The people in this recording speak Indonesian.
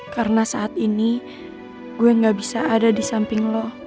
karena saat ini gue gak bisa ada di samping lo